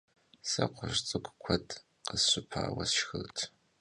Se kxhuj ts'ık'u kued khesşıpaue sşşxırt.